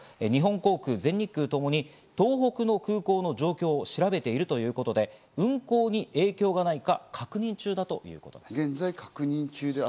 日本航空、全日空ともに東北の空港の状況を調べているということで、運航に影響がないか確認中だということです。